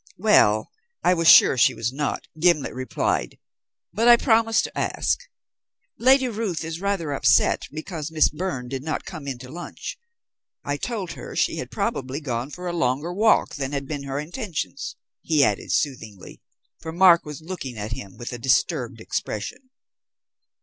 "Well, I was sure she was not," Gimblet replied, "but I promised to ask. Lady Ruth is rather upset because Miss Byrne did not come in to lunch. I told her she had probably gone for a longer walk than had been her intention," he added soothingly, for Mark was looking at him with a disturbed expression.